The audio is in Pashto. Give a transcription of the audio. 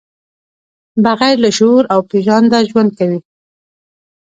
بغیر له شعور او پېژانده ژوند کوي.